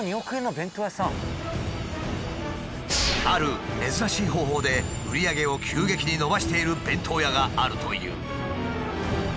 ある珍しい方法で売り上げを急激に伸ばしている弁当屋があるという。